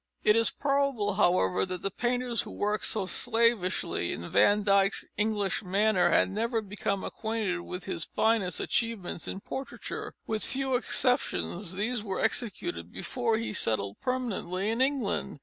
It is probable, however, that the painters who worked so slavishly in Van Dyck's English manner had never become acquainted with his finest achievements in portraiture. With few exceptions these were executed before he settled permanently in England.